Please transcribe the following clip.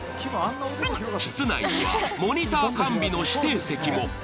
室内にはモニター完備の指定席も。